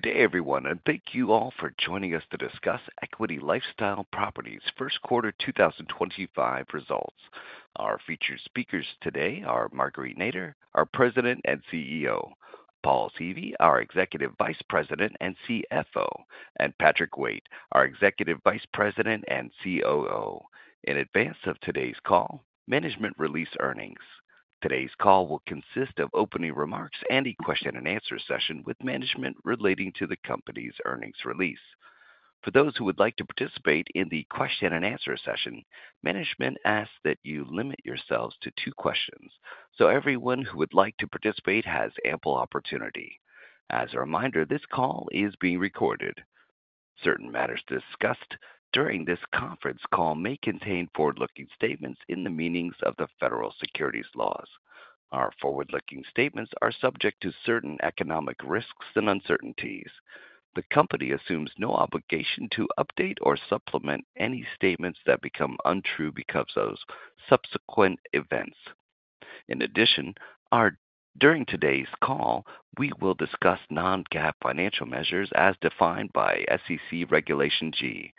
Good day, everyone, and thank you all for joining us to discuss Equity LifeStyle Properties' First Quarter 2025 Results. Our featured speakers today are Marguerite Nader, our President and CEO; Paul Seavey, our Executive Vice President and CFO; and Patrick Waite, our Executive Vice President and COO. In advance of today's call, management released earnings. Today's call will consist of opening remarks and a question-and-answer session with management relating to the company's earnings release. For those who would like to participate in the question-and-answer session, management asks that you limit yourselves to two questions, so everyone who would like to participate has ample opportunity. As a reminder, this call is being recorded. Certain matters discussed during this conference call may contain forward-looking statements in the meanings of the federal securities laws. Our forward-looking statements are subject to certain economic risks and uncertainties. The company assumes no obligation to update or supplement any statements that become untrue because of subsequent events. In addition, during today's call, we will discuss non-GAAP financial measures as defined by SEC Regulation G.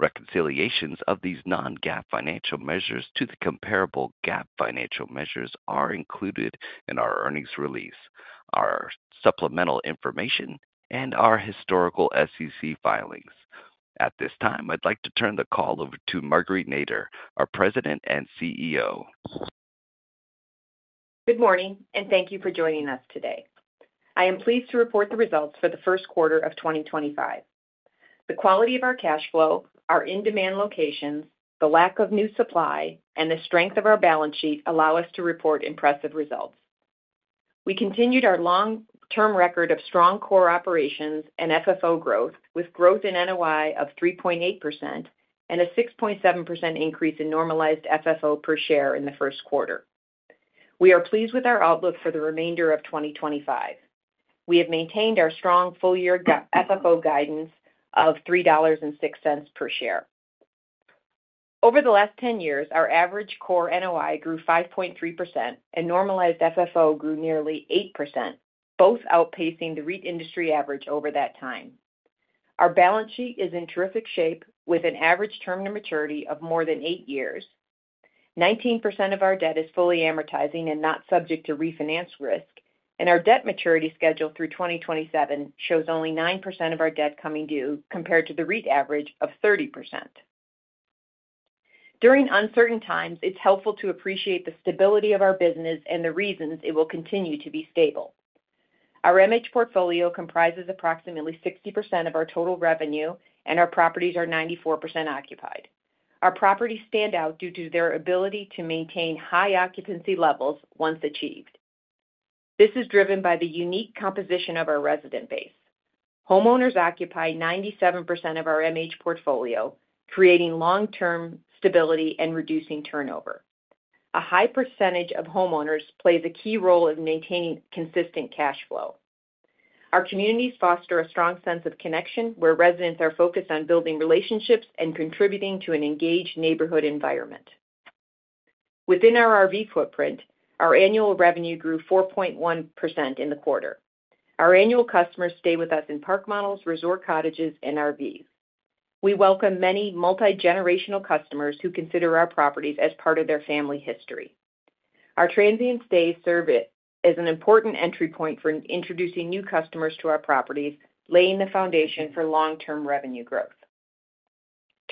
Reconciliations of these non-GAAP financial measures to the comparable GAAP financial measures are included in our earnings release, our supplemental information, and our historical SEC filings. At this time, I'd like to turn the call over to Marguerite Nader, our President and CEO. Good morning, and thank you for joining us today. I am pleased to report the results for the first quarter of 2025. The quality of our cash flow, our in-demand locations, the lack of new supply, and the strength of our balance sheet allow us to report impressive results. We continued our long-term record of strong core operations and FFO growth, with growth in NOI of 3.8% and a 6.7% increase in normalized FFO per share in the first quarter. We are pleased with our outlook for the remainder of 2025. We have maintained our strong full-year FFO guidance of $3.06 per share. Over the last 10 years, our average core NOI grew 5.3%, and normalized FFO grew nearly 8%, both outpacing the REIT industry average over that time. Our balance sheet is in terrific shape, with an average term to maturity of more than eight years. 19% of our debt is fully amortizing and not subject to refinance risk, and our debt maturity schedule through 2027 shows only 9% of our debt coming due compared to the REIT average of 30%. During uncertain times, it's helpful to appreciate the stability of our business and the reasons it will continue to be stable. Our MH portfolio comprises approximately 60% of our total revenue, and our properties are 94% occupied. Our properties stand out due to their ability to maintain high occupancy levels once achieved. This is driven by the unique composition of our resident base. Homeowners occupy 97% of our MH portfolio, creating long-term stability and reducing turnover. A high percentage of homeowners plays a key role in maintaining consistent cash flow. Our communities foster a strong sense of connection, where residents are focused on building relationships and contributing to an engaged neighborhood environment. Within our RV footprint, our annual revenue grew 4.1% in the quarter. Our annual customers stay with us in park models, resort cottages, and RVs. We welcome many multi-generational customers who consider our properties as part of their family history. Our transient stays serve as an important entry point for introducing new customers to our properties, laying the foundation for long-term revenue growth.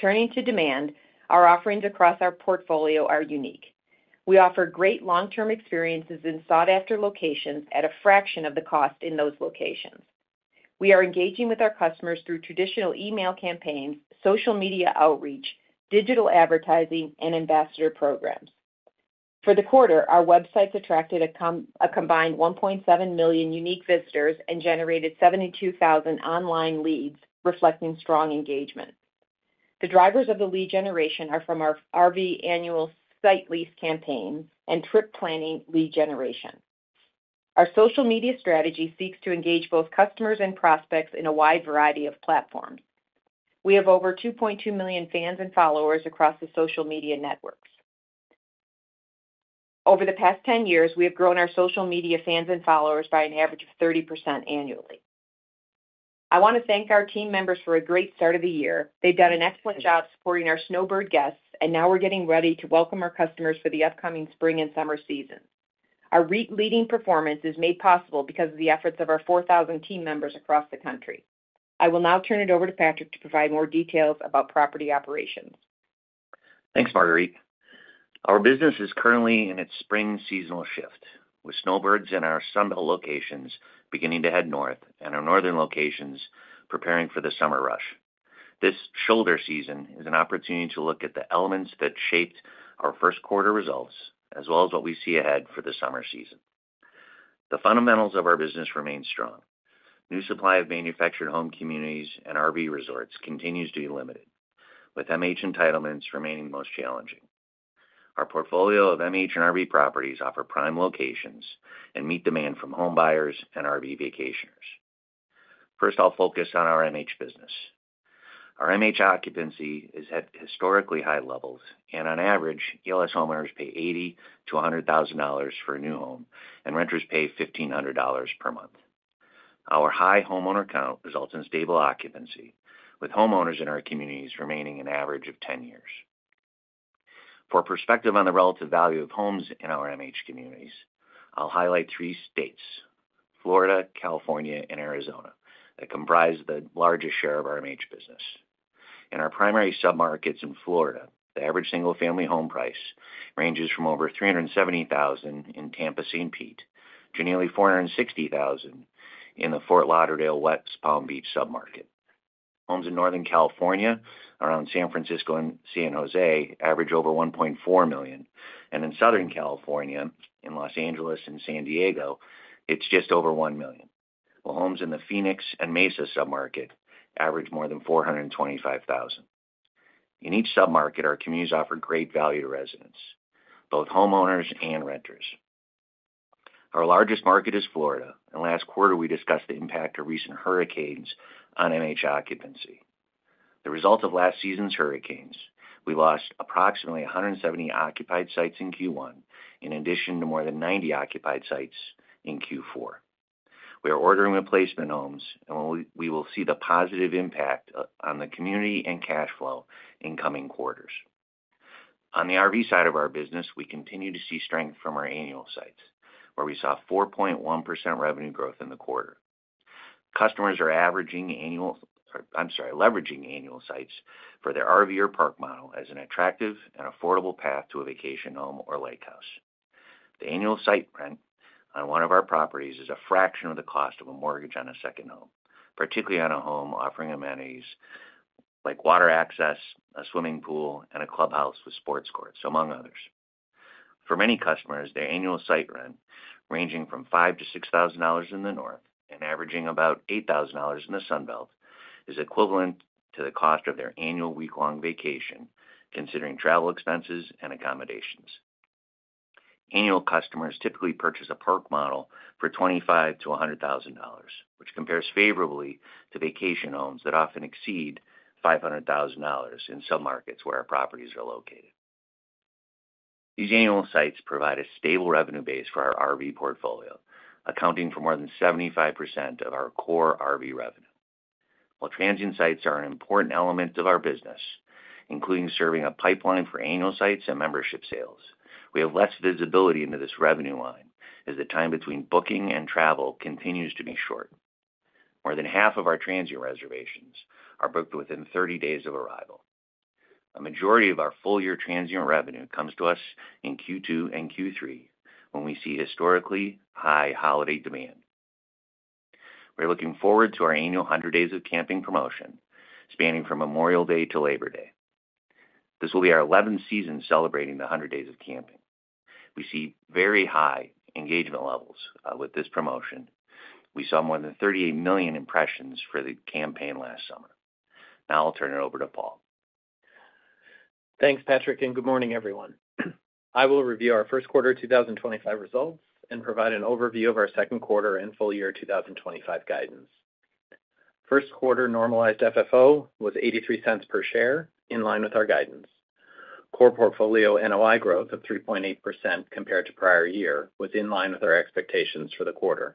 Turning to demand, our offerings across our portfolio are unique. We offer great long-term experiences in sought-after locations at a fraction of the cost in those locations. We are engaging with our customers through traditional email campaigns, social media outreach, digital advertising, and ambassador programs. For the quarter, our websites attracted a combined 1.7 million unique visitors and generated 72,000 online leads, reflecting strong engagement. The drivers of the lead generation are from our RV annual site lease campaigns and trip planning lead generation. Our social media strategy seeks to engage both customers and prospects in a wide variety of platforms. We have over 2.2 million fans and followers across the social media networks. Over the past 10 years, we have grown our social media fans and followers by an average of 30% annually. I want to thank our team members for a great start of the year. They've done an excellent job supporting our snowbird guests, and now we're getting ready to welcome our customers for the upcoming spring and summer season. Our REIT leading performance is made possible because of the efforts of our 4,000 team members across the country. I will now turn it over to Patrick to provide more details about property operations. Thanks, Marguerite. Our business is currently in its spring seasonal shift, with snowbirds in our Sunbelt locations beginning to head north and our northern locations preparing for the summer rush. This shoulder season is an opportunity to look at the elements that shaped our first quarter results, as well as what we see ahead for the summer season. The fundamentals of our business remain strong. New supply of manufactured home communities and RV resorts continues to be limited, with MH entitlements remaining most challenging. Our portfolio of MH and RV properties offer prime locations and meet demand from home buyers and RV vacationers. First, I'll focus on our MH business. Our MH occupancy is at historically high levels, and on average, ELS homeowners pay $80,000-$100,000 for a new home, and renters pay $1,500 per month. Our high homeowner count results in stable occupancy, with homeowners in our communities remaining an average of 10 years. For perspective on the relative value of homes in our MH communities, I'll highlight three states: Florida, California, and Arizona, that comprise the largest share of our MH business. In our primary submarkets in Florida, the average single-family home price ranges from over $370,000 in Tampa-St. Pete to nearly $460,000 in the Fort Lauderdale-West Palm Beach submarket. Homes in Northern California, around San Francisco and San Jose, average over $1.4 million, and in Southern California, in Los Angeles and San Diego, it's just over $1 million, while homes in the Phoenix and Mesa submarket average more than $425,000. In each submarket, our communities offer great value to residents, both homeowners and renters. Our largest market is Florida, and last quarter, we discussed the impact of recent hurricanes on MH occupancy. The result of last season's hurricanes, we lost approximately 170 occupied sites in Q1, in addition to more than 90 occupied sites in Q4. We are ordering replacement homes, and we will see the positive impact on the community and cash flow in coming quarters. On the RV side of our business, we continue to see strength from our annual sites, where we saw 4.1% revenue growth in the quarter. Customers are averaging annual—I'm sorry, leveraging annual sites for their RV or park model as an attractive and affordable path to a vacation home or lake house. The annual site rent on one of our properties is a fraction of the cost of a mortgage on a second home, particularly on a home offering amenities like water access, a swimming pool, and a clubhouse with sports courts, among others. For many customers, their annual site rent, ranging from $5,000-$6,000 in the north and averaging about $8,000 in the Sunbelt, is equivalent to the cost of their annual week-long vacation, considering travel expenses and accommodations. Annual customers typically purchase a park model for $25,000-$100,000, which compares favorably to vacation homes that often exceed $500,000 in some markets where our properties are located. These annual sites provide a stable revenue base for our RV portfolio, accounting for more than 75% of our core RV revenue. While transient sites are an important element of our business, including serving a pipeline for annual sites and membership sales, we have less visibility into this revenue line as the time between booking and travel continues to be short. More than half of our transient reservations are booked within 30 days of arrival. A majority of our full-year transient revenue comes to us in Q2 and Q3 when we see historically high holiday demand. We're looking forward to our annual 100 Days of Camping promotion, spanning from Memorial Day to Labor Day. This will be our 11th season celebrating the 100 Days of Camping. We see very high engagement levels with this promotion. We saw more than 38 million impressions for the campaign last summer. Now I'll turn it over to Paul. Thanks, Patrick, and good morning, everyone. I will review our first quarter 2025 results and provide an overview of our second quarter and full-year 2025 guidance. First quarter normalized FFO was $0.83 per share, in line with our guidance. Core portfolio NOI growth of 3.8% compared to prior year was in line with our expectations for the quarter.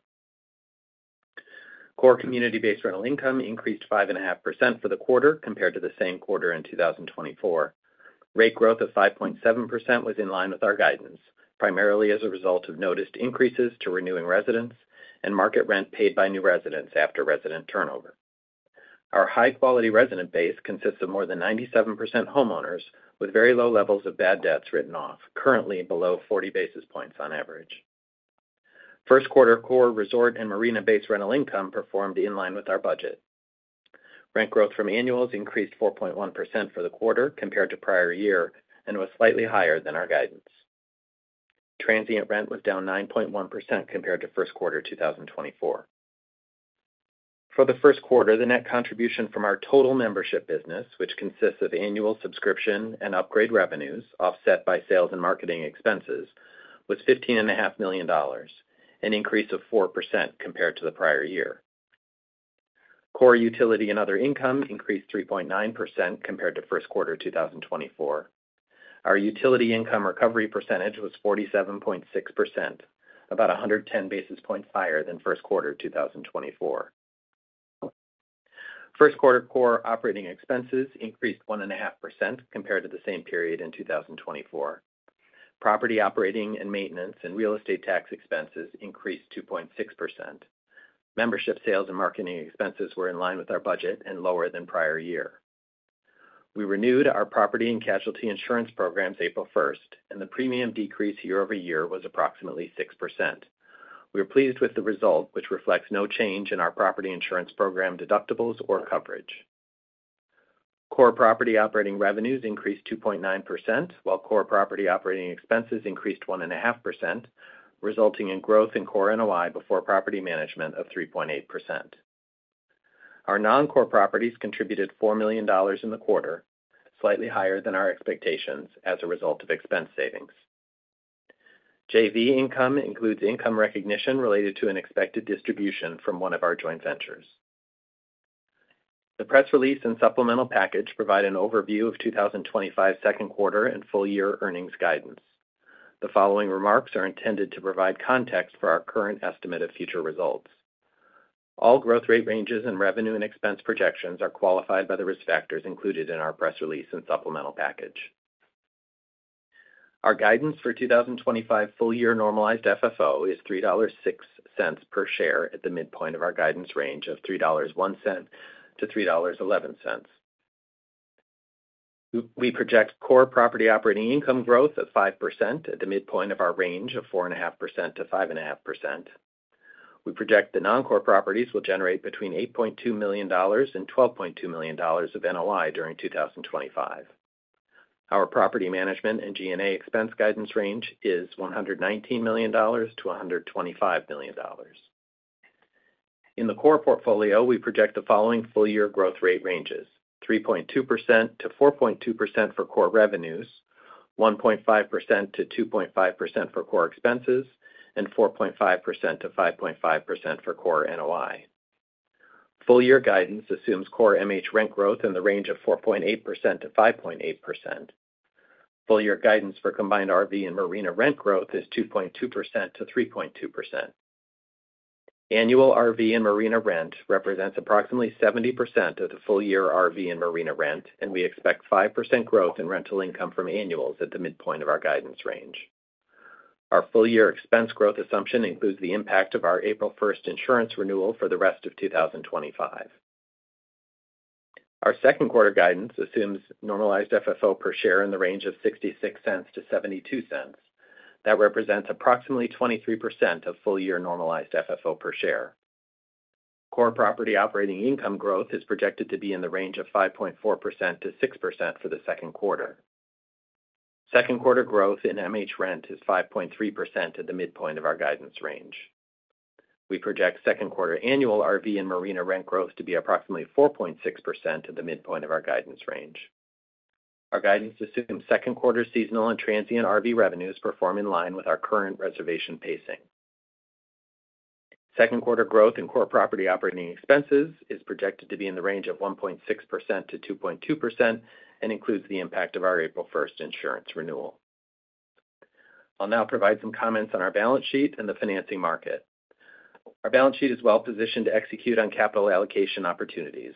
Core community-based rental income increased 5.5% for the quarter compared to the same quarter in 2024. Rate growth of 5.7% was in line with our guidance, primarily as a result of noticed increases to renewing residents and market rent paid by new residents after resident turnover. Our high-quality resident base consists of more than 97% homeowners with very low levels of bad debts written off, currently below 40 basis points on average. First quarter core resort and marina-based rental income performed in line with our budget. Rent growth from annuals increased 4.1% for the quarter compared to prior year and was slightly higher than our guidance. Transient rent was down 9.1% compared to first quarter 2024. For the first quarter, the net contribution from our total membership business, which consists of annual subscription and upgrade revenues offset by sales and marketing expenses, was $15.5 million, an increase of 4% compared to the prior year. Core utility and other income increased 3.9% compared to first quarter 2024. Our utility income recovery percentage was 47.6%, about 110 basis points higher than first quarter 2024. First quarter core operating expenses increased 1.5% compared to the same period in 2024. Property operating and maintenance and real estate tax expenses increased 2.6%. Membership sales and marketing expenses were in line with our budget and lower than prior year. We renewed our property and casualty insurance programs April 1, and the premium decrease year-over-year was approximately 6%. We are pleased with the result, which reflects no change in our property insurance program deductibles or coverage. Core property operating revenues increased 2.9%, while core property operating expenses increased 1.5%, resulting in growth in core NOI before property management of 3.8%. Our non-core properties contributed $4 million in the quarter, slightly higher than our expectations as a result of expense savings. JV income includes income recognition related to an expected distribution from one of our joint ventures. The press release and supplemental package provide an overview of 2025 second quarter and full-year earnings guidance. The following remarks are intended to provide context for our current estimate of future results. All growth rate ranges and revenue and expense projections are qualified by the risk factors included in our press release and supplemental package. Our guidance for 2025 full-year normalized FFO is $3.06 per share at the midpoint of our guidance range of $3.01-$3.11. We project core property operating income growth of 5% at the midpoint of our range of 4.5%-5.5%. We project the non-core properties will generate between $8.2 million and $12.2 million of NOI during 2025. Our property management and G&A expense guidance range is $119 million-$125 million. In the core portfolio, we project the following full-year growth rate ranges: 3.2%-4.2% for core revenues, 1.5%-2.5% for core expenses, and 4.5%-5.5% for core NOI. Full-year guidance assumes core MH rent growth in the range of 4.8%-5.8%. Full-year guidance for combined RV and marina rent growth is 2.2%-3.2%. Annual RV and marina rent represents approximately 70% of the full-year RV and marina rent, and we expect 5% growth in rental income from annuals at the midpoint of our guidance range. Our full-year expense growth assumption includes the impact of our April 1st insurance renewal for the rest of 2025. Our second quarter guidance assumes normalized FFO per share in the range of $0.66-$0.72. That represents approximately 23% of full-year normalized FFO per share. Core property operating income growth is projected to be in the range of 5.4%-6% for the second quarter. Second quarter growth in MH rent is 5.3% at the midpoint of our guidance range. We project second quarter annual RV and marina rent growth to be approximately 4.6% at the midpoint of our guidance range. Our guidance assumes second quarter seasonal and transient RV revenues perform in line with our current reservation pacing. Second quarter growth in core property operating expenses is projected to be in the range of 1.6%-2.2% and includes the impact of our April 1 insurance renewal. I'll now provide some comments on our balance sheet and the financing market. Our balance sheet is well positioned to execute on capital allocation opportunities.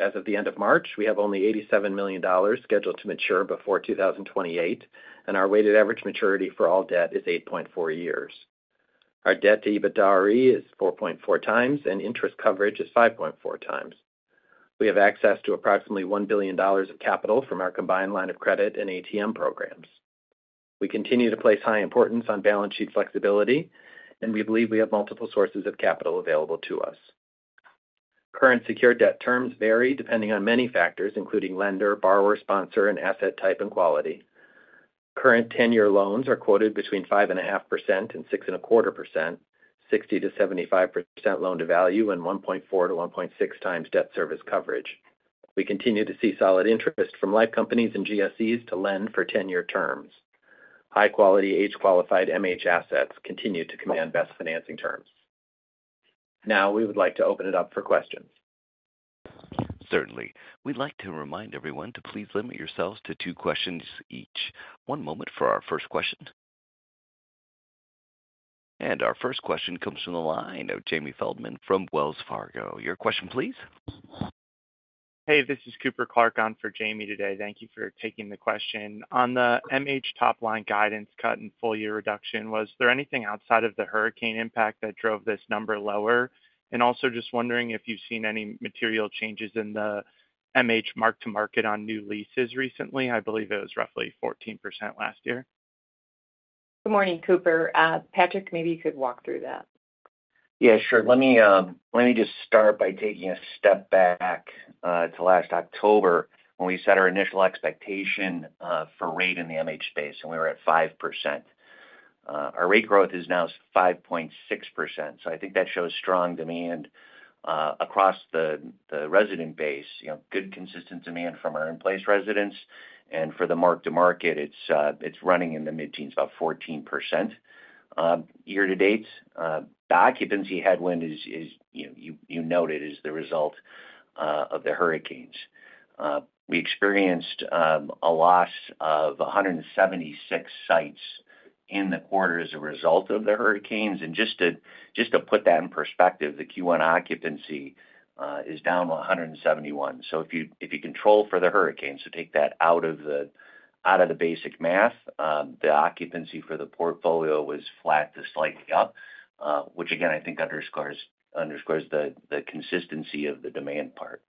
As of the end of March, we have only $87 million scheduled to mature before 2028, and our weighted average maturity for all debt is 8.4 years. Our debt to EBITDAre is 4.4 times, and interest coverage is 5.4 times. We have access to approximately $1 billion of capital from our combined line of credit and ATM programs. We continue to place high importance on balance sheet flexibility, and we believe we have multiple sources of capital available to us. Current secured debt terms vary depending on many factors, including lender, borrower, sponsor, and asset type and quality. Current 10-year loans are quoted between 5.5% and 6.25%, 60%-75% loan to value, and 1.4-1.6 times debt service coverage. We continue to see solid interest from life companies and GSEs to lend for 10-year terms. High-quality, age-qualified MH assets continue to command best financing terms. Now, we would like to open it up for questions. Certainly. We'd like to remind everyone to please limit yourselves to two questions each. One moment for our first question. Our first question comes from the line of Jamie Feldman from Wells Fargo. Your question, please. Hey, this is Cooper Clark on for Jamie today. Thank you for taking the question. On the MH top-line guidance cut and full-year reduction, was there anything outside of the hurricane impact that drove this number lower? Also just wondering if you've seen any material changes in the MH mark-to-market on new leases recently. I believe it was roughly 14% last year. Good morning, Cooper. Patrick, maybe you could walk through that. Yeah, sure. Let me just start by taking a step back to last October when we set our initial expectation for rate in the MH space, and we were at 5%. Our rate growth is now 5.6%. I think that shows strong demand across the resident base. Good consistent demand from our in-place residents. For the mark-to-market, it's running in the mid-teens, about 14% year-to-date. The occupancy headwind, as you noted, is the result of the hurricanes. We experienced a loss of 176 sites in the quarter as a result of the hurricanes. Just to put that in perspective, the Q1 occupancy is down to 171. If you control for the hurricanes, to take that out of the basic math, the occupancy for the portfolio was flat to slightly up, which, again, I think underscores the consistency of the demand part.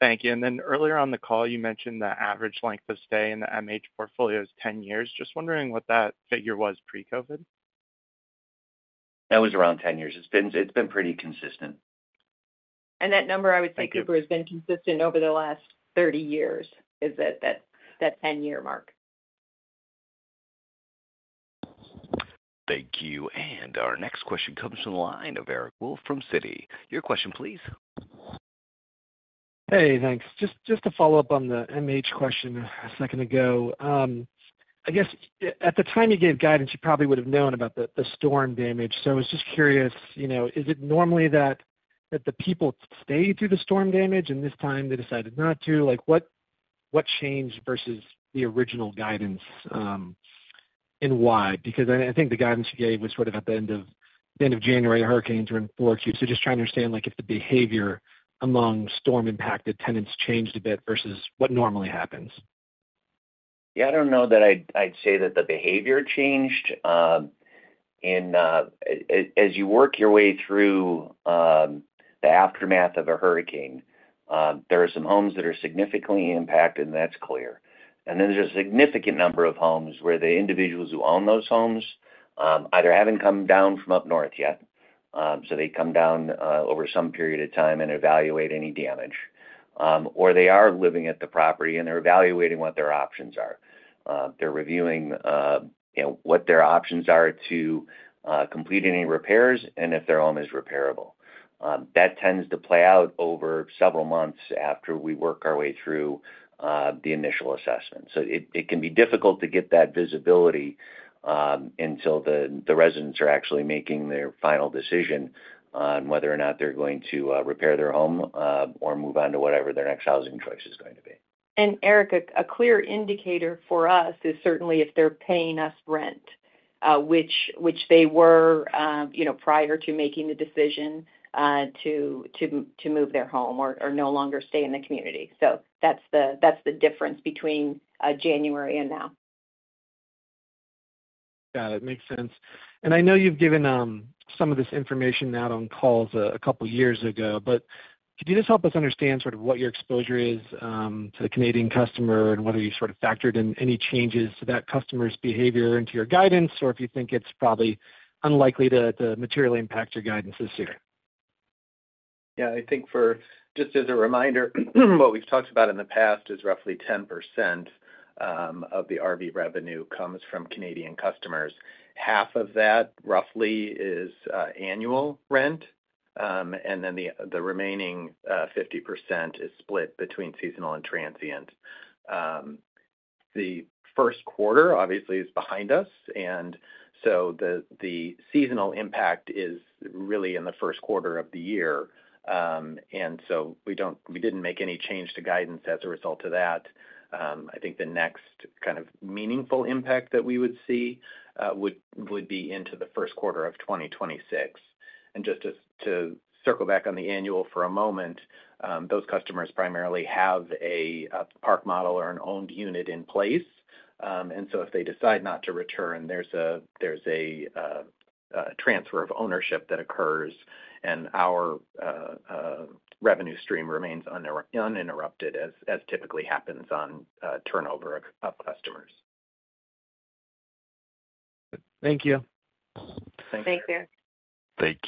Thank you. Earlier on the call, you mentioned the average length of stay in the MH portfolio is 10 years. Just wondering what that figure was pre-COVID. That was around 10 years. It has been pretty consistent. That number, I would say, Cooper, has been consistent over the last 30 years, is at that 10-year mark. Thank you. Our next question comes from the line of Eric Wolfe from Citi. Your question, please. Hey, thanks. Just to follow up on the MH question a second ago, I guess at the time you gave guidance, you probably would have known about the storm damage. I was just curious, is it normally that the people stay through the storm damage, and this time they decided not to? What changed versus the original guidance and why? I think the guidance you gave was sort of at the end of January, hurricanes were in Q4. Just trying to understand if the behavior among storm-impacted tenants changed a bit versus what normally happens. Yeah, I don't know that I'd say that the behavior changed. As you work your way through the aftermath of a hurricane, there are some homes that are significantly impacted, and that's clear. There is a significant number of homes where the individuals who own those homes either haven't come down from up north yet, so they come down over some period of time and evaluate any damage, or they are living at the property and they're evaluating what their options are. They're reviewing what their options are to complete any repairs and if their home is repairable. That tends to play out over several months after we work our way through the initial assessment. It can be difficult to get that visibility until the residents are actually making their final decision on whether or not they're going to repair their home or move on to whatever their next housing choice is going to be. Eric, a clear indicator for us is certainly if they're paying us rent, which they were prior to making the decision to move their home or no longer stay in the community. That is the difference between January and now. Got it. Makes sense. I know you've given some of this information out on calls a couple of years ago, but could you just help us understand sort of what your exposure is to the Canadian customer and whether you've sort of factored in any changes to that customer's behavior into your guidance, or if you think it's probably unlikely to materially impact your guidance this year? Yeah, I think for just as a reminder, what we've talked about in the past is roughly 10% of the RV revenue comes from Canadian customers. Half of that, roughly, is annual rent, and then the remaining 50% is split between seasonal and transient. The first quarter, obviously, is behind us, and the seasonal impact is really in the first quarter of the year. We did not make any change to guidance as a result of that. I think the next kind of meaningful impact that we would see would be into the first quarter of 2026. Just to circle back on the annual for a moment, those customers primarily have a park model or an owned unit in place. If they decide not to return, there's a transfer of ownership that occurs, and our revenue stream remains uninterrupted, as typically happens on turnover of customers. Thank you. Thank you. Thank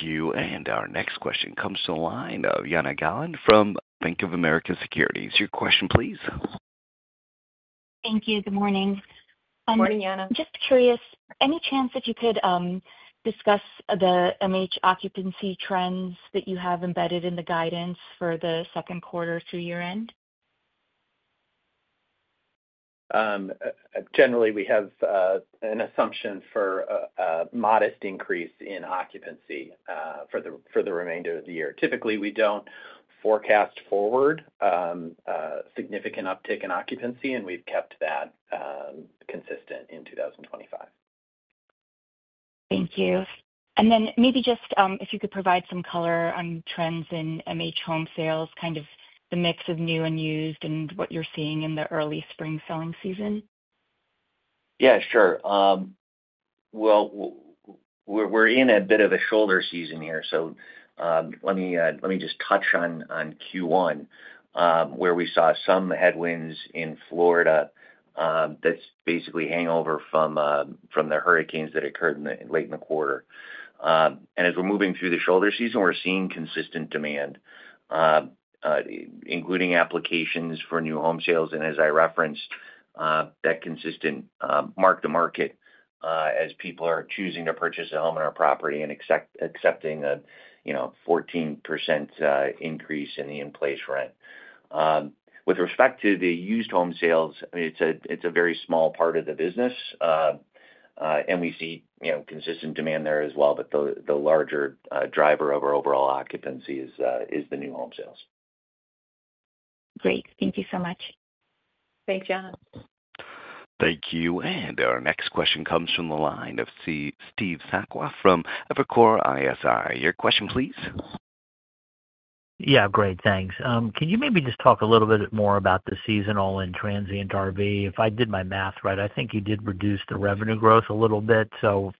you. Thank you. Our next question comes to the line of Jana Galan from Bank of America Securities. Your question, please. Thank you. Good morning. Good morning, Jana. Just curious, any chance that you could discuss the MH occupancy trends that you have embedded in the guidance for the second quarter through year-end? Generally, we have an assumption for a modest increase in occupancy for the remainder of the year. Typically, we do not forecast forward significant uptick in occupancy, and we have kept that consistent in 2025. Thank you. If you could provide some color on trends in MH home sales, kind of the mix of new and used and what you're seeing in the early spring selling season. Yeah, sure. We are in a bit of a shoulder season here. Let me just touch on Q1, where we saw some headwinds in Florida that basically hang over from the hurricanes that occurred late in the quarter. As we are moving through the shoulder season, we are seeing consistent demand, including applications for new home sales. As I referenced, that consistent mark-to-market as people are choosing to purchase a home in our property and accepting a 14% increase in the in-place rent. With respect to the used home sales, I mean, it is a very small part of the business, and we see consistent demand there as well. The larger driver of our overall occupancy is the new home sales. Great. Thank you so much. Thanks, Jana. Thank you. Our next question comes from the line of Steve Sakwa from Evercore ISI. Your question, please. Yeah, great. Thanks. Can you maybe just talk a little bit more about the seasonal and transient RV? If I did my math right, I think you did reduce the revenue growth a little bit.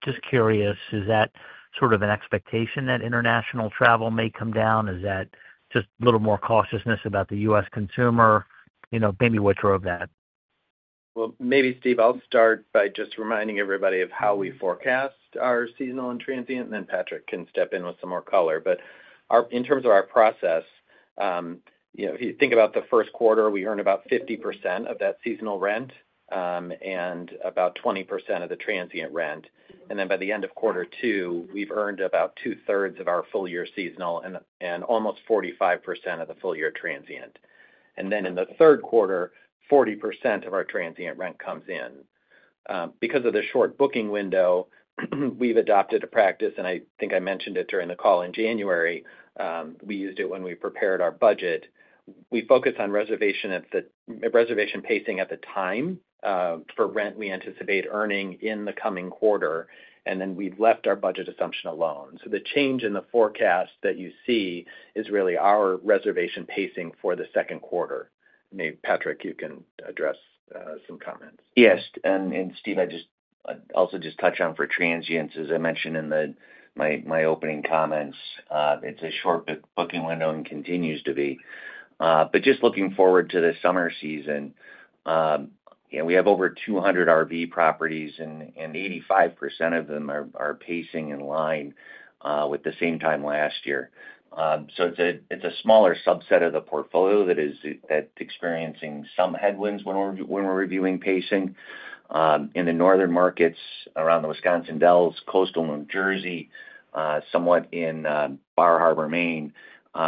Just curious, is that sort of an expectation that international travel may come down? Is that just a little more cautiousness about the U.S. consumer? Maybe what drove that? Maybe, Steve, I'll start by just reminding everybody of how we forecast our seasonal and transient, and then Patrick can step in with some more color. In terms of our process, if you think about the first quarter, we earned about 50% of that seasonal rent and about 20% of the transient rent. By the end of quarter two, we've earned about two-thirds of our full-year seasonal and almost 45% of the full-year transient. In the third quarter, 40% of our transient rent comes in. Because of the short booking window, we've adopted a practice, and I think I mentioned it during the call in January. We used it when we prepared our budget. We focus on reservation pacing at the time for rent we anticipate earning in the coming quarter, and then we've left our budget assumption alone. The change in the forecast that you see is really our reservation pacing for the second quarter. Maybe Patrick, you can address some comments. Yes. Steve, I'd also just touch on for transients, as I mentioned in my opening comments, it's a short booking window and continues to be. Just looking forward to the summer season, we have over 200 RV properties, and 85% of them are pacing in line with the same time last year. It's a smaller subset of the portfolio that is experiencing some headwinds when we're reviewing pacing. In the northern markets around the Wisconsin Dells, coastal New Jersey, somewhat in Bar Harbor, Maine,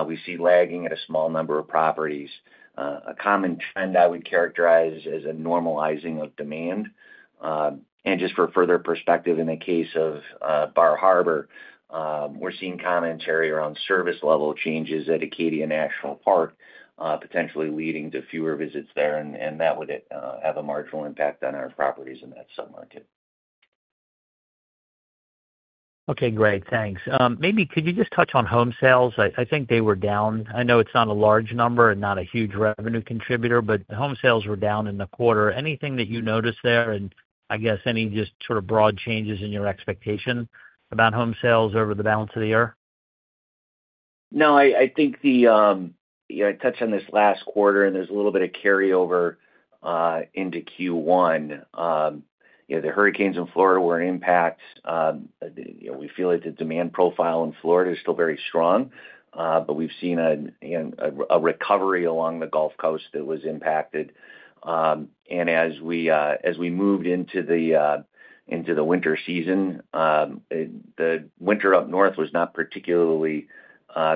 we see lagging at a small number of properties. A common trend I would characterize as a normalizing of demand. For further perspective in the case of Bar Harbor, we're seeing commentary around service-level changes at Acadia National Park, potentially leading to fewer visits there, and that would have a marginal impact on our properties in that submarket. Okay, great. Thanks. Maybe could you just touch on home sales? I think they were down. I know it's not a large number and not a huge revenue contributor, but home sales were down in the quarter. Anything that you noticed there? I guess any just sort of broad changes in your expectation about home sales over the balance of the year? No, I think I touched on this last quarter, and there's a little bit of carryover into Q1. The hurricanes in Florida were an impact. We feel like the demand profile in Florida is still very strong, but we've seen a recovery along the Gulf Coast that was impacted. As we moved into the winter season, the winter up north was not particularly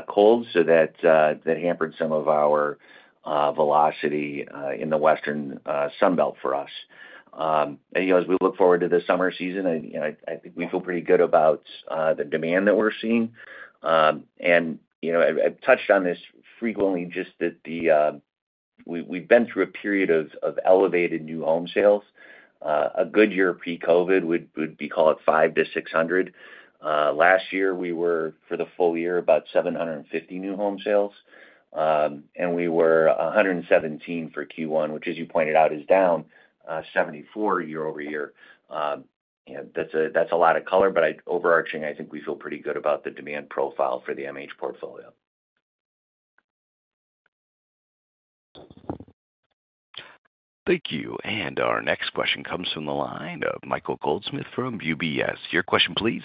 cold, so that hampered some of our velocity in the western Sunbelt for us. As we look forward to the summer season, I think we feel pretty good about the demand that we're seeing. I've touched on this frequently, just that we've been through a period of elevated new home sales. A good year pre-COVID would be called 500 to 600. Last year, we were, for the full year, about 750 new home sales, and we were 117 for Q1, which, as you pointed out, is down 74 year-over-year. That's a lot of color, but overarching, I think we feel pretty good about the demand profile for the MH portfolio. Thank you. Our next question comes from the line of Michael Goldsmith from UBS. Your question, please.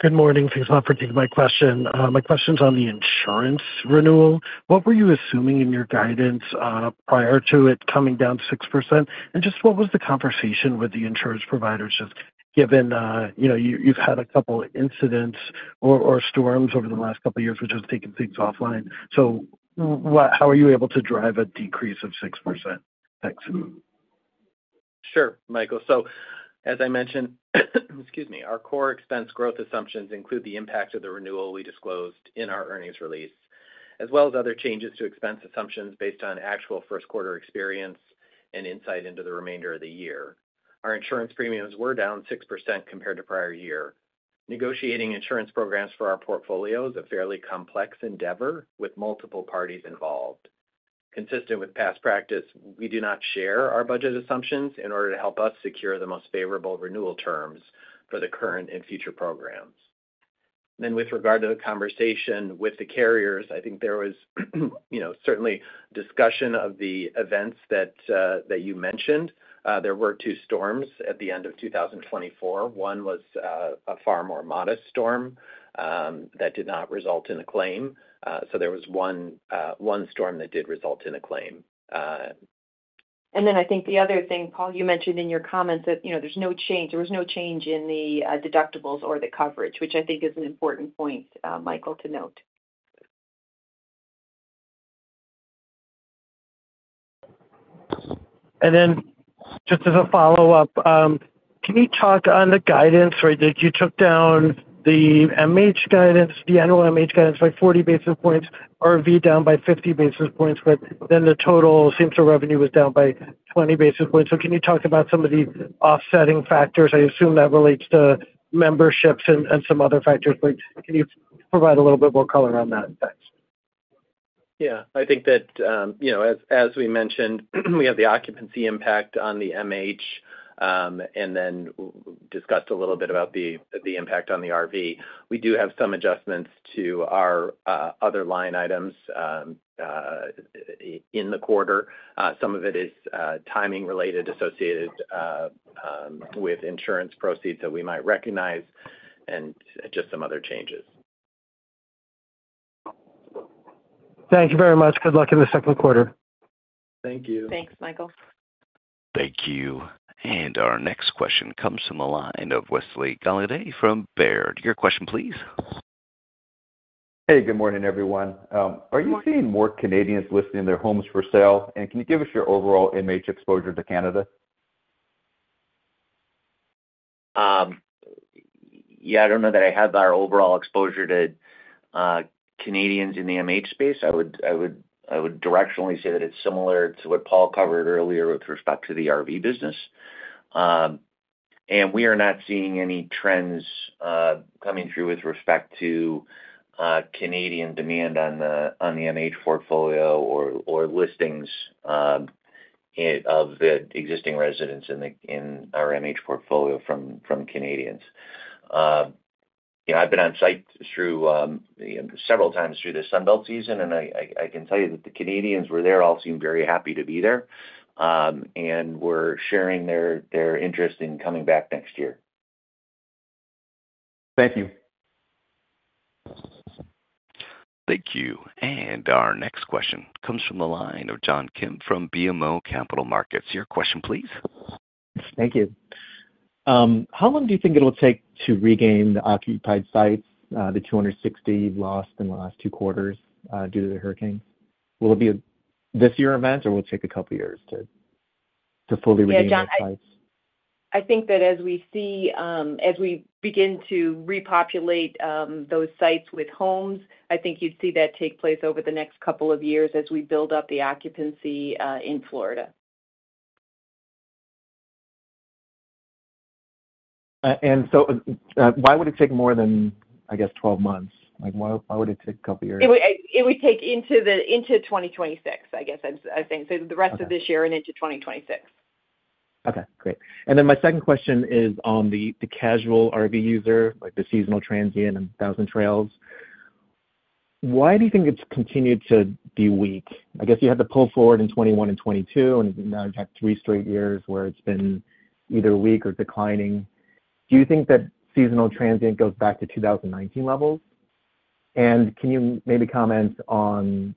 Good morning. Thanks a lot for taking my question. My question's on the insurance renewal. What were you assuming in your guidance prior to it coming down 6%? Just what was the conversation with the insurance providers given you've had a couple of incidents or storms over the last couple of years which have taken things offline? How are you able to drive a decrease of 6%? Sure, Michael. As I mentioned, excuse me, our core expense growth assumptions include the impact of the renewal we disclosed in our earnings release, as well as other changes to expense assumptions based on actual first-quarter experience and insight into the remainder of the year. Our insurance premiums were down 6% compared to prior year. Negotiating insurance programs for our portfolio is a fairly complex endeavor with multiple parties involved. Consistent with past practice, we do not share our budget assumptions in order to help us secure the most favorable renewal terms for the current and future programs. With regard to the conversation with the carriers, I think there was certainly discussion of the events that you mentioned. There were two storms at the end of 2024. One was a far more modest storm that did not result in a claim. There was one storm that did result in a claim. I think the other thing, Paul, you mentioned in your comments that there's no change. There was no change in the deductibles or the coverage, which I think is an important point, Michael, to note. Just as a follow-up, can you talk on the guidance? You took down the MH guidance, the annual MH guidance by 40 basis points, RV down by 50 basis points, but the total same-store revenue was down by 20 basis points. Can you talk about some of the offsetting factors? I assume that relates to memberships and some other factors, but can you provide a little bit more color on that? Yeah. I think that, as we mentioned, we have the occupancy impact on the MH, and then we discussed a little bit about the impact on the RV. We do have some adjustments to our other line items in the quarter. Some of it is timing-related, associated with insurance proceeds that we might recognize, and just some other changes. Thank you very much. Good luck in the second quarter. Thank you. Thanks, Michael. Thank you. Our next question comes from the line of Wesley Golladay from Baird. Your question, please. Hey, good morning, everyone. Are you seeing more Canadians listing their homes for sale? Can you give us your overall MH exposure to Canada? Yeah, I don't know that I have our overall exposure to Canadians in the MH space. I would directionally say that it's similar to what Paul covered earlier with respect to the RV business. We are not seeing any trends coming through with respect to Canadian demand on the MH portfolio or listings of the existing residents in our MH portfolio from Canadians. I've been on site several times through the Sunbelt season, and I can tell you that the Canadians who were there all seemed very happy to be there and were sharing their interest in coming back next year. Thank you. Thank you. Our next question comes from the line of John Kim from BMO Capital Markets. Your question, please. Thank you. How long do you think it will take to regain the occupied sites, the 260 lost in the last two quarters due to the hurricanes? Will it be a this-year event, or will it take a couple of years to fully regain those sites? Yeah, John, I think that as we see as we begin to repopulate those sites with homes, I think you'd see that take place over the next couple of years as we build up the occupancy in Florida. Why would it take more than, I guess, 12 months? Why would it take a couple of years? It would take into 2026, I guess I'm saying. The rest of this year and into 2026. Okay, great. My second question is on the casual RV user, the seasonal transient and Thousand Trails. Why do you think it's continued to be weak? I guess you had the pull forward in 2021 and 2022, and now you've had three straight years where it's been either weak or declining. Do you think that seasonal transient goes back to 2019 levels? Can you maybe comment on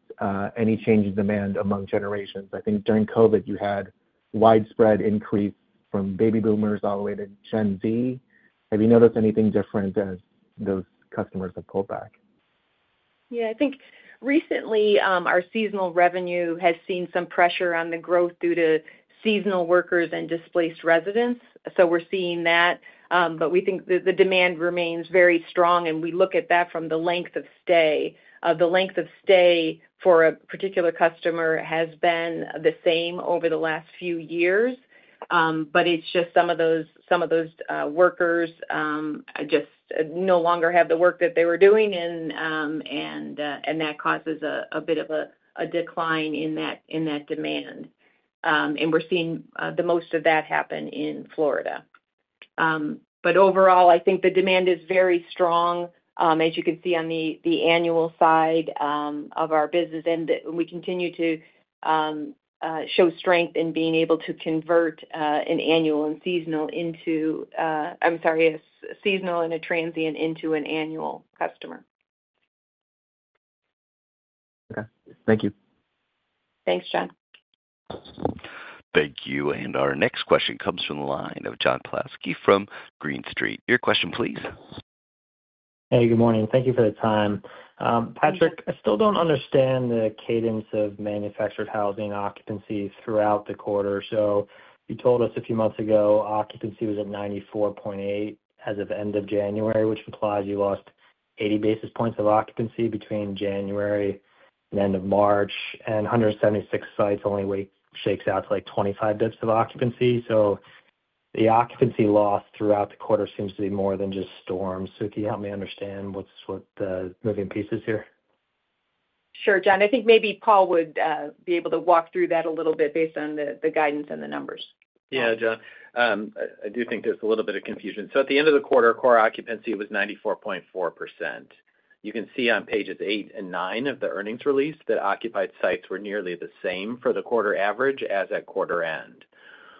any change in demand among generations? I think during COVID, you had widespread increase from baby boomers all the way to Gen Z. Have you noticed anything different as those customers have pulled back? Yeah, I think recently our seasonal revenue has seen some pressure on the growth due to seasonal workers and displaced residents. We are seeing that, but we think the demand remains very strong. We look at that from the length of stay. The length of stay for a particular customer has been the same over the last few years, but it is just some of those workers just no longer have the work that they were doing, and that causes a bit of a decline in that demand. We are seeing the most of that happen in Florida. Overall, I think the demand is very strong, as you can see on the annual side of our business, and we continue to show strength in being able to convert a seasonal and a transient into an annual customer. Okay. Thank you. Thanks, John. Thank you. Our next question comes from the line of John Pawlowski from Green Street. Your question, please. Hey, good morning. Thank you for the time. Patrick, I still do not understand the cadence of manufactured housing occupancy throughout the quarter. You told us a few months ago occupancy was at 94.8 as of end of January, which implies you lost 80 basis points of occupancy between January and end of March, and 176 sites only shakes out to like 25 basis points of occupancy. The occupancy loss throughout the quarter seems to be more than just storms. Can you help me understand what are the moving pieces here? Sure, John. I think maybe Paul would be able to walk through that a little bit based on the guidance and the numbers. Yeah, John, I do think there's a little bit of confusion. At the end of the quarter, core occupancy was 94.4%. You can see on pages eight and nine of the earnings release that occupied sites were nearly the same for the quarter average as at quarter end.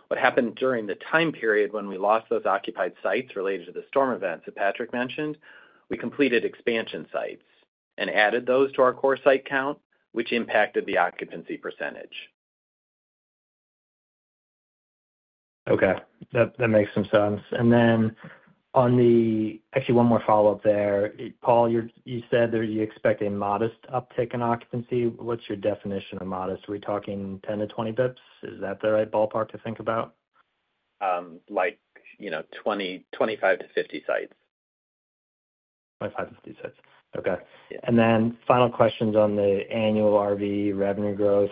What happened during the time period when we lost those occupied sites related to the storm events that Patrick mentioned, we completed expansion sites and added those to our core site count, which impacted the occupancy percentage. Okay. That makes some sense. Actually, one more follow-up there. Paul, you said that you expect a modest uptick in occupancy. What's your definition of modest? Are we talking 10 to 20 basis points? Is that the right ballpark to think about? Like 25 to 50 sites. 25 to 50 sites. Okay. Final questions on the annual RV revenue growth.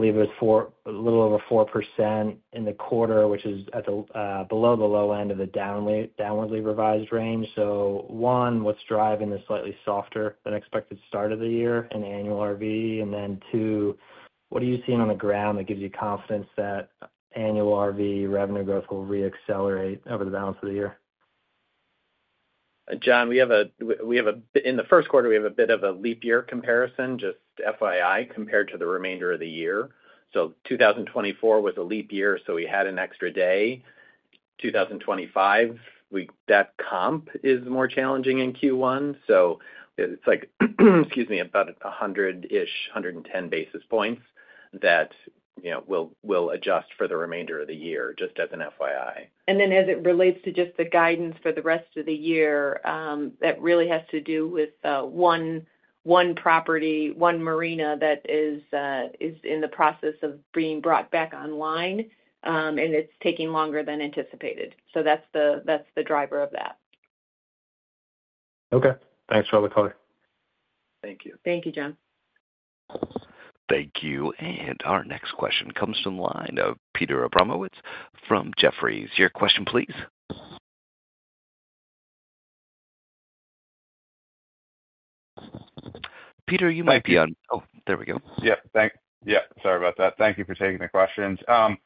I believe it was a little over 4% in the quarter, which is below the low end of the downwardly revised range. One, what's driving the slightly softer than expected start of the year in annual RV? Two, what are you seeing on the ground that gives you confidence that annual RV revenue growth will re-accelerate over the balance of the year? John, we have a bit—in the first quarter, we have a bit of a leap year comparison, just FYI, compared to the remainder of the year. 2024 was a leap year, so we had an extra day. 2025, that comp is more challenging in Q1. It's like, excuse me, about 100-ish, 110 basis points that we'll adjust for the remainder of the year, just as an FYI. As it relates to just the guidance for the rest of the year, that really has to do with one property, one marina that is in the process of being brought back online, and it's taking longer than anticipated. That's the driver of that. Okay. Thanks for the color. Thank you. Thank you, John. Thank you. Our next question comes from the line of Peter Abramowitz from Jefferies. Your question, please. Peter, you might be on—oh, there we go. Yeah. Thanks. Yeah. Sorry about that. Thank you for taking the questions. I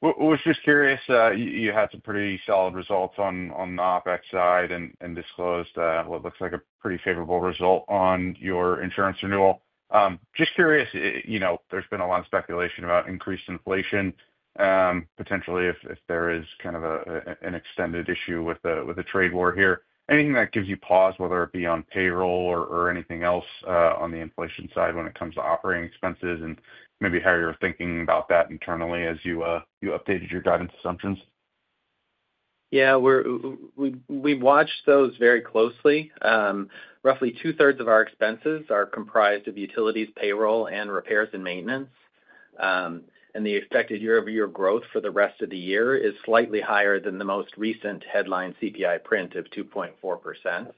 was just curious. You had some pretty solid results on the OpEx side and disclosed what looks like a pretty favorable result on your insurance renewal. Just curious, there's been a lot of speculation about increased inflation, potentially if there is kind of an extended issue with the trade war here. Anything that gives you pause, whether it be on payroll or anything else on the inflation side when it comes to operating expenses and maybe how you're thinking about that internally as you updated your guidance assumptions? Yeah. We watched those very closely. Roughly two-thirds of our expenses are comprised of utilities, payroll, and repairs and maintenance. The expected year-over-year growth for the rest of the year is slightly higher than the most recent headline CPI print of 2.4%.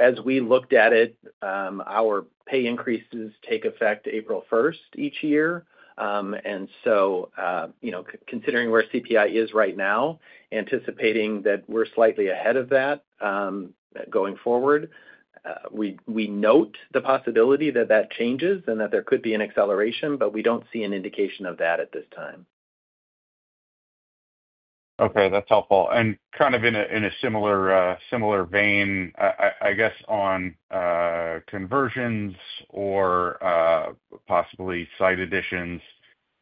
As we looked at it, our pay increases take effect April 1 each year. Considering where CPI is right now, anticipating that we're slightly ahead of that going forward, we note the possibility that that changes and that there could be an acceleration, but we do not see an indication of that at this time. Okay. That's helpful. Kind of in a similar vein, I guess on conversions or possibly site additions,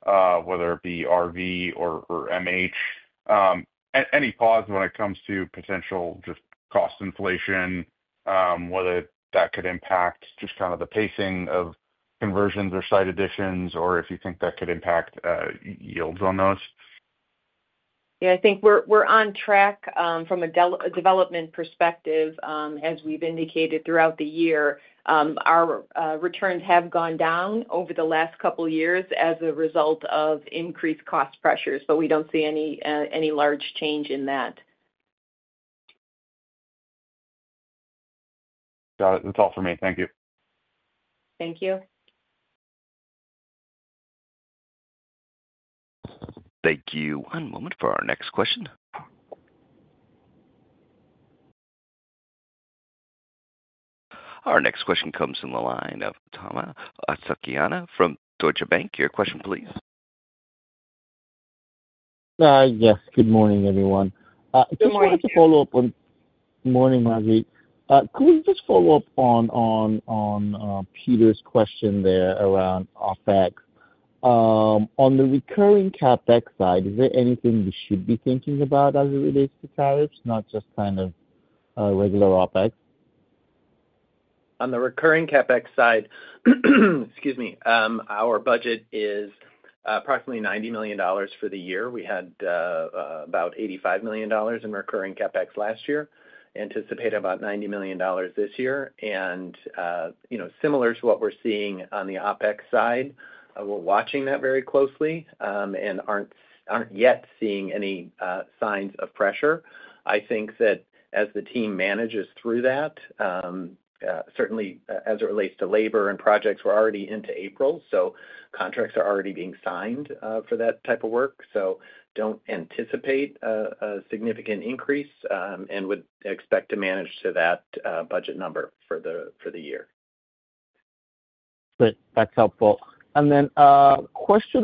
whether it be RV or MH, any pause when it comes to potential just cost inflation, whether that could impact just kind of the pacing of conversions or site additions, or if you think that could impact yields on those? Yeah. I think we're on track from a development perspective. As we've indicated throughout the year, our returns have gone down over the last couple of years as a result of increased cost pressures, but we don't see any large change in that. Got it. That's all for me. Thank you. Thank you. Thank you. One moment for our next question. Our next question comes from the line of Omotayo Okusanya from Deutsche Bank. Your question, please. Yes. Good morning, everyone. Just wanted to follow up on—good morning, Marguerite. Could we just follow up on Peter's question there around OpEx? On the recurring CapEx side, is there anything we should be thinking about as it relates to tariffs, not just kind of regular OpEx? On the recurring CapEx side, excuse me, our budget is approximately $90 million for the year. We had about $85 million in recurring CapEx last year, anticipate about $90 million this year. Similar to what we're seeing on the OpEx side, we're watching that very closely and aren't yet seeing any signs of pressure. I think that as the team manages through that, certainly as it relates to labor and projects, we're already into April, so contracts are already being signed for that type of work. Do not anticipate a significant increase and would expect to manage to that budget number for the year. Good. That's helpful. Question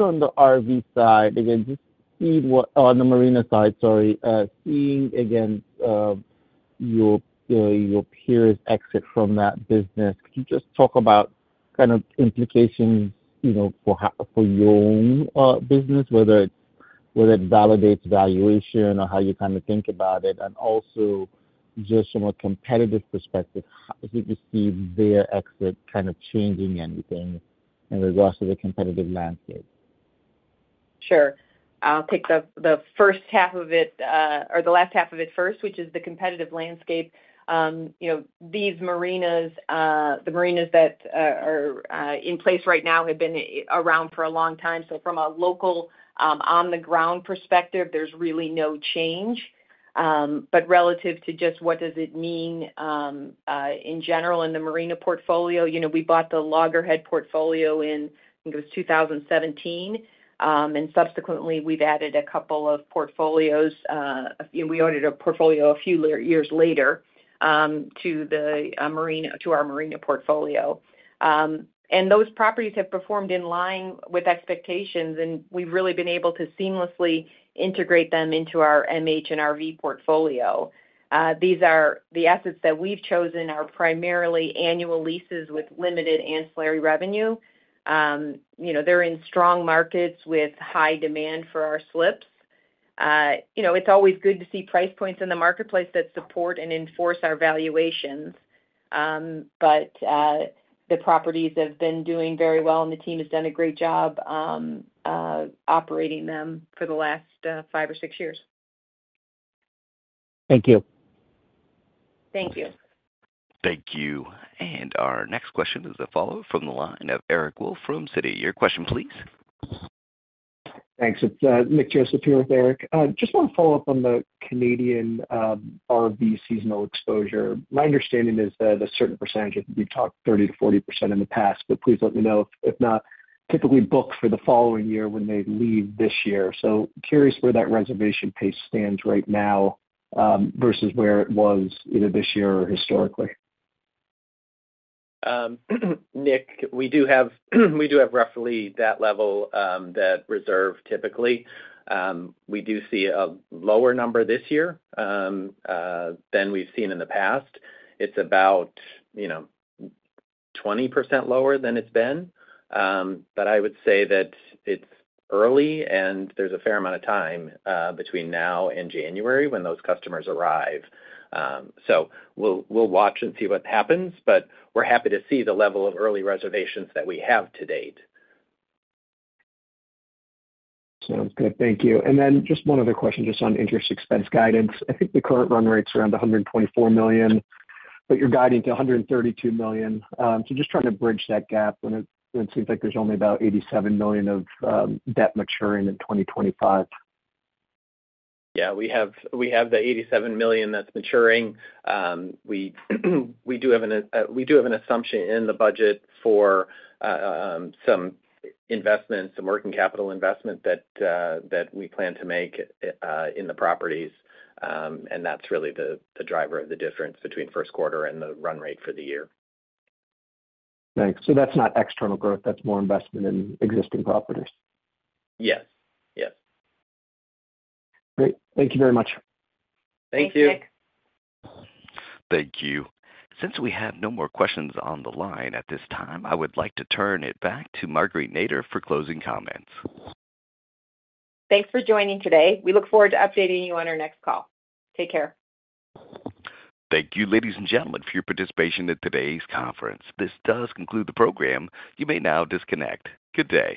on the RV side, again, just seeing what—on the marina side, sorry—seeing against your peers' exit from that business, could you just talk about kind of implications for your own business, whether it validates valuation or how you kind of think about it? Also, just from a competitive perspective, how did you see their exit kind of changing anything in regards to the competitive landscape? Sure. I'll take the first half of it or the last half of it first, which is the competitive landscape. These marinas, the marinas that are in place right now, have been around for a long time. From a local on-the-ground perspective, there's really no change. Relative to just what does it mean in general in the marina portfolio, we bought the Loggerhead portfolio in, I think it was 2017, and subsequently we've added a couple of portfolios. We added a portfolio a few years later to our marina portfolio. Those properties have performed in line with expectations, and we've really been able to seamlessly integrate them into our MH and RV portfolio. The assets that we've chosen are primarily annual leases with limited ancillary revenue. They're in strong markets with high demand for our slips. It's always good to see price points in the marketplace that support and enforce our valuations. The properties have been doing very well, and the team has done a great job operating them for the last five or six years. Thank you. Thank you. Thank you. Our next question is a follow-up from the line of Eric Wolfe from Citi. Your question, please. Thanks. It's Nick Joseph here with Eric. Just want to follow up on the Canadian RV seasonal exposure. My understanding is that a certain percentage—you've talked 30-40% in the past, but please let me know if not—typically book for the following year when they leave this year. Curious where that reservation pace stands right now versus where it was either this year or historically. Nick, we do have roughly that level, that reserve typically. We do see a lower number this year than we've seen in the past. It's about 20% lower than it's been. I would say that it's early, and there's a fair amount of time between now and January when those customers arrive. We'll watch and see what happens, but we're happy to see the level of early reservations that we have to date. Sounds good. Thank you. Just one other question just on interest expense guidance. I think the current run rate's around $124 million, but you're guiding to $132 million. Just trying to bridge that gap when it seems like there's only about $87 million of debt maturing in 2025. Yeah. We have the $87 million that's maturing. We do have an assumption in the budget for some investment, some working capital investment that we plan to make in the properties. That's really the driver of the difference between first quarter and the run rate for the year. Thanks. That's not external growth. That's more investment in existing properties. Yes. Yes. Great. Thank you very much. Thank you. Thanks, Nick. Thank you. Since we have no more questions on the line at this time, I would like to turn it back to Marguerite Nader for closing comments. Thanks for joining today. We look forward to updating you on our next call. Take care. Thank you, ladies and gentlemen, for your participation in today's conference. This does conclude the program. You may now disconnect. Good day.